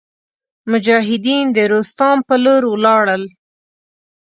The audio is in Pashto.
مجاهدین د روستام په لور ولاړل.